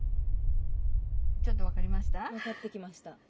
ちょっと分かりました？